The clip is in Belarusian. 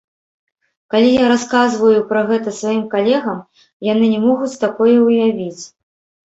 Калі я расказваю пра гэта сваім калегам, яны не могуць такое ўявіць.